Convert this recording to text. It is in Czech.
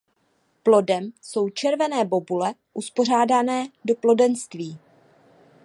Plodem jsou červené bobule uspořádané do plodenství.